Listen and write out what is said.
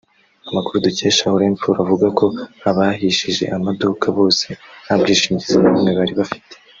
Amakuru dukesha Orinfor avuga ko abahishije amaduka bose nta bwishingizi na bumwe bari bafite